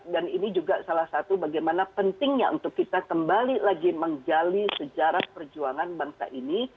dan ini juga salah satu bagaimana pentingnya untuk kita kembali lagi menggali sejarah perjuangan bangsa ini